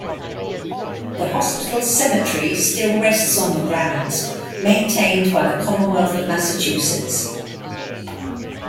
The hospital's cemetery still rests on the grounds, maintained by the Commonwealth of Massachusetts.